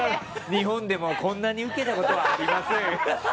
日本でもこんなにウケたことはありません。